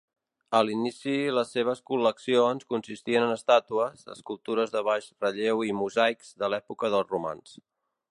A l'inici les seves col·leccions consistien en estàtues, escultures de baix relleu i mosaics de l'època dels romans.